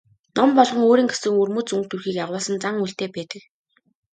Ном болгон өөрийн гэсэн өвөрмөц өнгө төрхийг агуулсан зан үйлтэй байдаг.